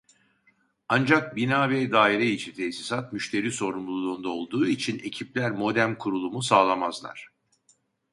Ancak bina ve daire içi tesisat müşteri sorumluluğunda olduğu için ekipler modem kurulumu sağlamazlar